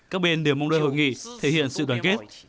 các bên đều mong đợi hội nghị thể hiện sự đoàn kết